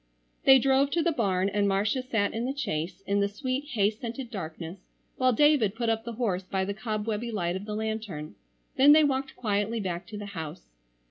They drove to the barn and Marcia sat in the chaise in the sweet hay scented darkness while David put up the horse by the cobwebby light of the lantern; then they walked quietly back to the house.